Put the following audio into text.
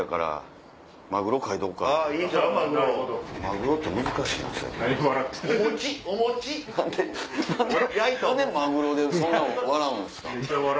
何でマグロでそんな笑うんすか？